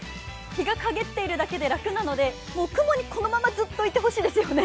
日がかげっているだけで楽なので雲にこのままいてほしいですよね。